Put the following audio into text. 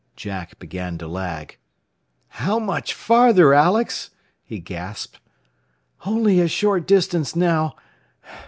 Jack began to lag. "How much farther, Alex?" he gasped. "Only a short distance, now.